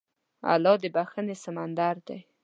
الله د بښنې سمندر دی.